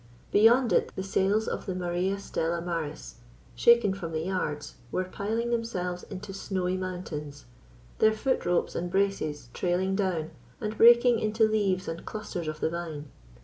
Beyond it the sails of the Maria Stella Maris, shaken from the yards, were piling themselves into snowy mountains, their foot ropes and braces trailing down and breaking into leaves and clusters of the vine.